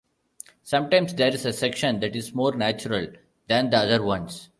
Sometimes, there is a section that is more "natural" than the other ones.